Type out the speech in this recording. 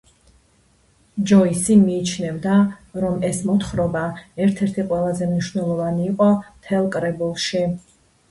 ჯოისი მიიჩნევდა რომ ეს მოთხრობა ერთ-ერთი ყველაზე მნიშვნელოვანი იყო მთელ კრებულში.